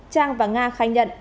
trang và nga khai nhận